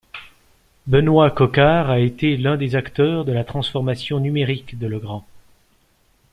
Benoît Coquart a été l'un des acteurs de la transformation numérique de Legrand.